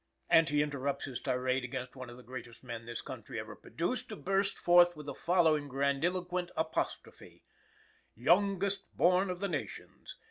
And he interrupts his tirade against one of the greatest men this country has produced to burst forth into the following grandiloquent apostrophe: "Youngest born of the Nations!